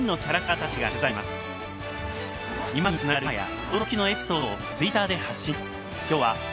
今につながる秘話や驚きのエピソードをツイッターで発信中。